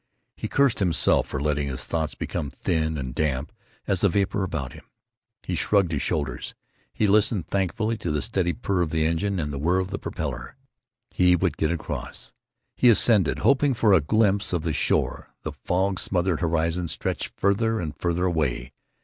He cursed himself for letting his thoughts become thin and damp as the vapor about him. He shrugged his shoulders. He listened thankfully to the steady purr of the engine and the whir of the propeller. He would get across! He ascended, hoping for a glimpse of the shore. The fog smothered horizon stretched farther and farther away.